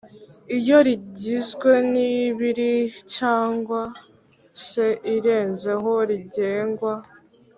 Iyo rigizwe n ibiri cyangwa se irenzeho rigengwa